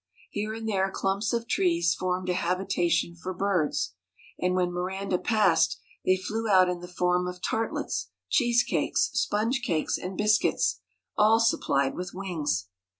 Here and there clumps of trees formed a habitation for birds; and when Miranda passed, they flew out in the form of tartlets, cheese cakes, sponge cakes, and biscuits, all supplied with wings.